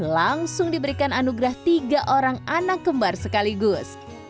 langsung diberikan anugerah tiga orang anak kembar sekaligus